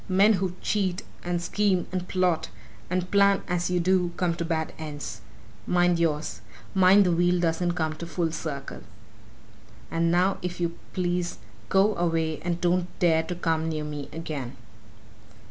Men who cheat, and scheme, and plot, and plan as you do come to bad ends. Mind yours! Mind the wheel doesn't come full circle. And now, if you please, go away and don't dare to come near me again!"